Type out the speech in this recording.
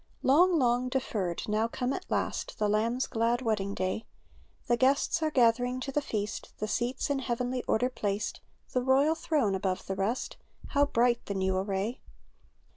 (4 ^3) Long, long deferi'ed, now come at last, The Lamb^s glad wedding day ; The guests are gathering to the feast. The seats in heavenly order placed. The royal throne above the rest; — How bright the new array